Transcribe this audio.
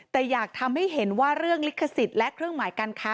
แต่อยากทำให้เห็นว่าเรื่องลิขสิทธิ์และเครื่องหมายการค้า